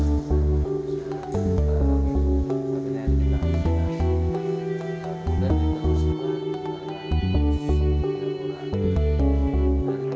kami juga mengingatkan kepada mereka bahwa ini adalah sukarela